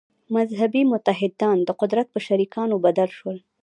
«مذهبي متحدان» د قدرت په شریکانو بدل شول.